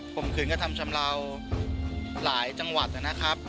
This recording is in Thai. มขืนกระทำชำเลาหลายจังหวัดนะครับ